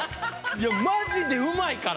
いやマジでうまいから！